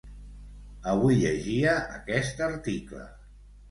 Avui llegia aquest article.